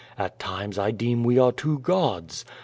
At timc^ 1 deem we are two gods.